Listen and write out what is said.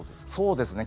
そうですね。